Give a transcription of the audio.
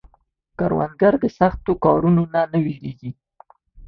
کروندګر د سخت کارونو نه نه وېرېږي